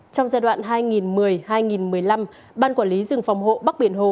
trong giai đoạn hai nghìn một mươi hai nghìn một mươi năm ban quản lý rừng phòng hộ bắc biển hồ